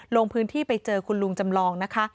ลงพื้นที่ไปเจอคุณลุงจำลองนะคะ